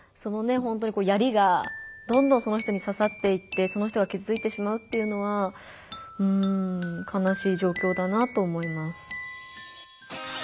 ほんとに槍がどんどんその人にささっていってその人がきずついてしまうっていうのはかなしい状況だなと思います。